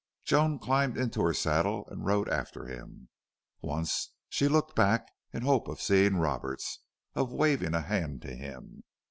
Joan climbed into her saddle and rode after him. Once she looked back in hope of seeing Roberts, of waving a hand to him.